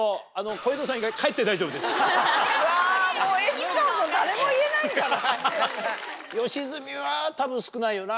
エピソード誰も言えないから。